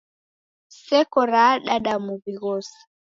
Seko raadada muw'i ghose.